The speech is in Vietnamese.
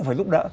phải giúp đỡ